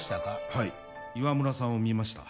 はい岩村さんを見ました